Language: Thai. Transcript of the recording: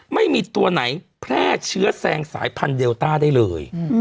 ไม่มีตัวไหนแพร่เชื้อแซงสายพันธุเดลต้าได้เลย